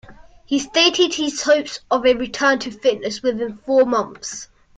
He stated his hopes of a return to fitness within four months.